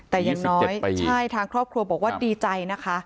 แต่อย่างน้อยใช่ทางครอบครัวบอกว่าดีใจนะคะ